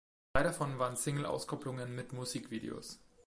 Drei davon waren Singleauskopplungen mit Musikvideos.